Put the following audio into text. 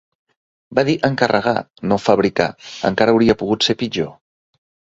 Va dir “encarregar”, no “fabricar”, encara hauria pogut ser pitjor.